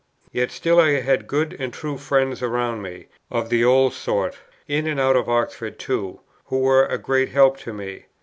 Yet still I had good and true friends around me of the old sort, in and out of Oxford too, who were a great help to me.